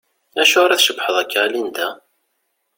Acuɣeṛ i tcebbḥeḍ akka a Linda?